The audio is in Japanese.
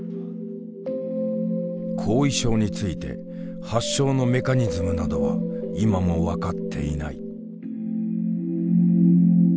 後遺症について発症のメカニズムなどは今も分かっていない。